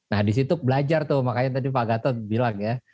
nah disitu belajar tuh makanya tadi pak gatot bilang ya